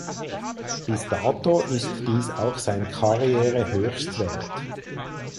Bis dato ist dies auch sein Karrierehöchstwert.